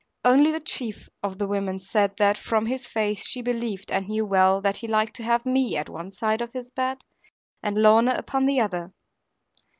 Only the chief of the women said that from his face she believed and knew that he liked to have me at one side of his bed, and Lorna upon the other.